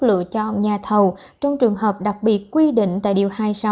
lựa chọn nhà thầu trong trường hợp đặc biệt quy định tại điều hai mươi sáu